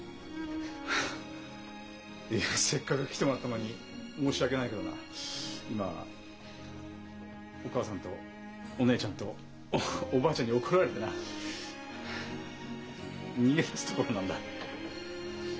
いやせっかく来てもらったのに申し訳ないけどな今お母さんとお姉ちゃんとおばあちゃんに怒られてな逃げ出すところなんだ。